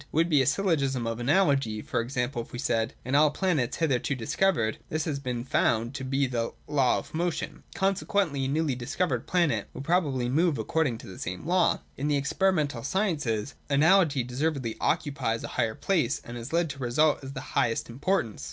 It would be a syllogism of Analogy, for example, if we said : In all planets hitherto discovered this has been found to be the law of motion, consequently a newly discovered planet will probably move according to the same law. In the experiential sciences Analogy deservedly occupies a high place, and has led to results of the highest importance.